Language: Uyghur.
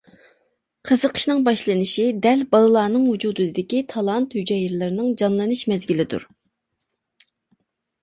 قىزىقىشنىڭ باشلىنىشى دەل بالىلارنىڭ ۋۇجۇدىدىكى تالانت ھۈجەيرىلىرىنىڭ جانلىنىش مەزگىلىدۇر.